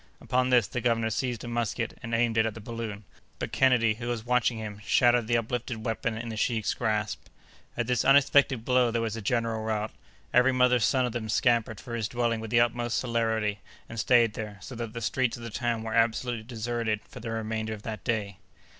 Upon this the governor seized a musket and aimed it at the balloon; but, Kennedy, who was watching him, shattered the uplifted weapon in the sheik's grasp. At this unexpected blow there was a general rout. Every mother's son of them scampered for his dwelling with the utmost celerity, and stayed there, so that the streets of the town were absolutely deserted for the remainder of that day.